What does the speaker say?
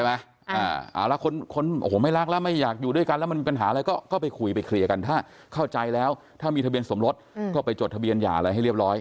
เอาละคนโอ้โหไม่รักแล้วไม่อยากอยู่ด้วยกันแล้วมันมีปัญหาอะไรก็ไปคุยไปเคลียร์กันถ้าเข้าใจแล้วถ้ามีทะเบียนสมรสก็ไปจดทะเบียนหย่าอะไรให้เรียบร้อย